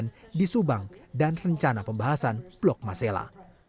yang di subang dan rencana pembahasan blok masela